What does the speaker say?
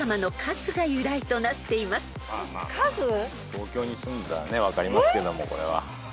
東京に住んでたらね分かりますけどもこれは。